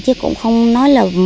chứ cũng không nói là